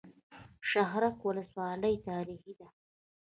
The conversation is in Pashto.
شهرک ولسوالۍ تاریخي ده؟